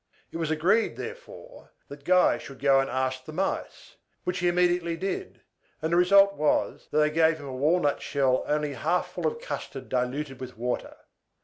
It was agreed, therefore, that Guy should go and ask the Mice, which he immediately did; and the result was, that they gave a walnut shell only half full of custard diluted with water.